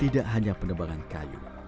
tidak hanya penebangan kayu